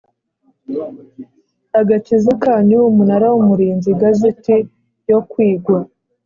agakiza kanyu Umunara w Umurinzi Igazeti yo kwigwa